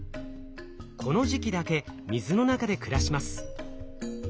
この時期だけ水の中で暮らします。